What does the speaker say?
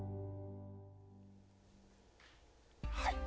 はい。